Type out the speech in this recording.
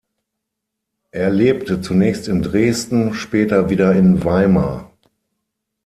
Er lebte zunächst in Dresden, später wieder in Weimar.